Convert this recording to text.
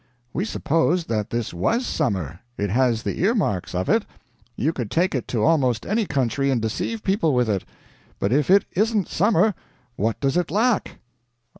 "We supposed that this was summer; it has the ear marks of it. You could take it to almost any country and deceive people with it. But if it isn't summer, what does it lack?"